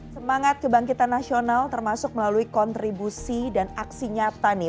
semangat kebangkitan nasional termasuk melalui kontribusi dan aksi nyata nih